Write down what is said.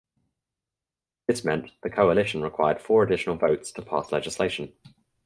This meant the Coalition required four additional votes to pass legislation.